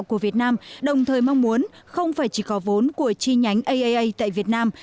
của việt nam đồng thời mong muốn không phải chỉ có vốn của chi nhánh aaa tại việt nam